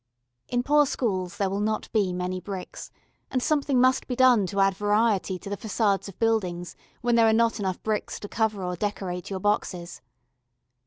In poor schools there will not be many bricks, and something must be done to add variety to the façades of buildings when there are not enough bricks to cover or decorate your boxes.